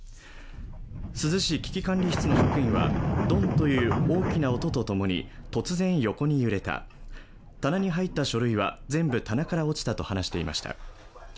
珠洲市危機管理室の職員はドンという大きな音とともに突然横に揺れた、棚に入った書類は全部棚から落ちたと話していました。